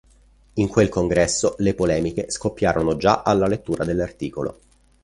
In quel congresso le polemiche scoppiarono già alla lettura dell'art.